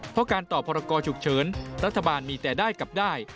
เพราะการต่อพรกรฉุกเฉินรัฐบาลมีแต่ได้กับได้